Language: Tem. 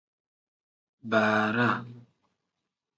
Baaraa.